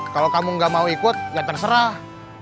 kalau kamu nggak mau ikut ya terserah